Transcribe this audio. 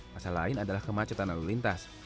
masalah lain adalah kemacetan lalu lintas